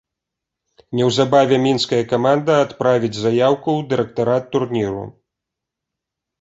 Неўзабаве мінская каманда адправіць заяўку ў дырэктарат турніру.